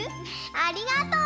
ありがとう！